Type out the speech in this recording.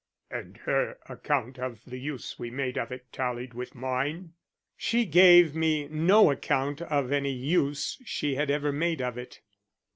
"And her account of the use we made of it tallied with mine?" "She gave me no account of any use she had ever made of it."